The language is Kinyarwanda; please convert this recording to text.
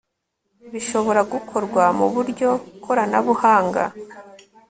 bishobora gukorwa mu buryo koranabuhanga